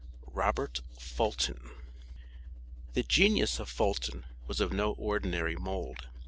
ROBERT FULTON. The genius of Fulton was of no ordinary mold.